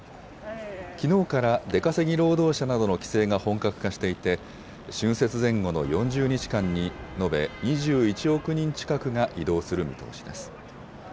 きのうから出稼ぎ労働者などの帰省が本格化していて、春節前後の４０日間に、延べ２１億人近くが移動する見通しです。